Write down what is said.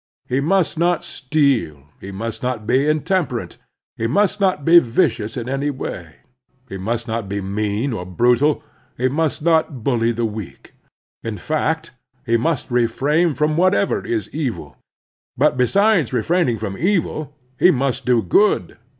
He must not steal, he must not be intemperate, he must not be vicious in any way ; he must not be mean or brutal ; he must not bully the weak. In fact, he must refrain from whatever is evil. But besides refraining from evil, he must do good.